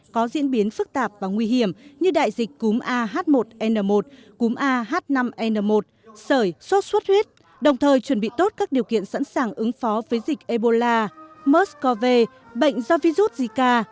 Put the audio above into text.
có diễn biến phức tạp và nguy hiểm như đại dịch cúm a h một n một cúm a h năm n một sởi sốt suốt huyết đồng thời chuẩn bị tốt các điều kiện sẵn sàng ứng phó với dịch ebola mers cov bệnh do virus zika